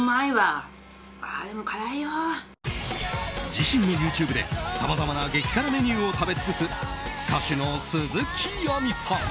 自身のＹｏｕＴｕｂｅでさまざまな激辛メニューを食べ尽くす歌手の鈴木亜美さん。